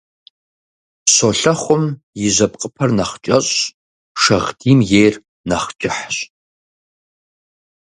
Щолэхъум и жьэпкъыпэр нэхъ кӀэщӀщ, шагъдийм ейр нэхъ кӀыхьщ.